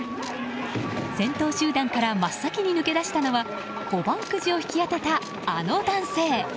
先頭集団から真っ先に抜け出したのは５番くじを引き当てたあの男性。